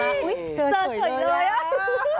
ภูติหรือเปล่า